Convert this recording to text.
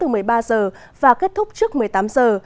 mưa sớm từ một mươi ba h và kết thúc trước một mươi tám h